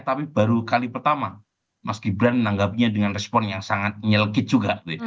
tapi baru kali pertama mas gibran menanggapinya dengan respon yang sangat nyelkit juga